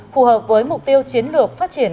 phù hợp với mục tiêu chiến lược phát triển